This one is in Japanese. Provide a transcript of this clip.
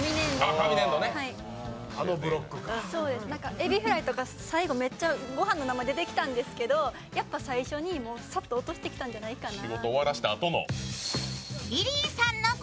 エビフライとか、最後めっちゃご飯の名前出てきたんですけどやっぱ最初にさっと落としてきたんじゃないかなと。